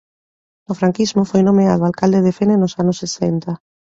No franquismo foi nomeado alcalde de Fene nos anos sesenta.